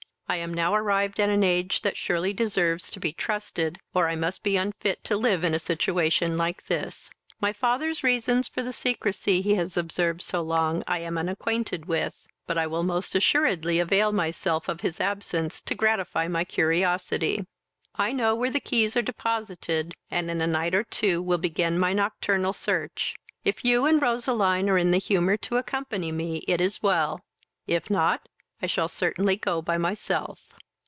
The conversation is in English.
I am now arrived at an age that surely deserves to be trusted, or I must be unfit to live in a situation like this. My father's reasons for the secresy he has observed so long, I am unacquainted with; but I will most assuredly avail myself of his absence to gratify my curiosity. I know where the keys are deposited, and in a night or two will begin my nocturnal search. If you and Roseline are in the humour to accompany me, it is well; if not, I shall certainly go by myself."